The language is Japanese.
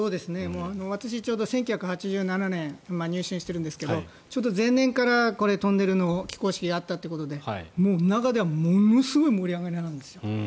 私ちょうど１９８７年に入信してるんですけどちょうど前年からこれ、トンネルの起工式があったということで中では、ものすごい盛り上がりなんですよ。